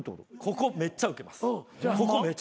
ここめっちゃウケます。